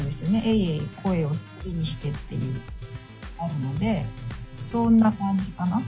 「えいえい声を忍びにして」っていうあるのでそんな感じかな。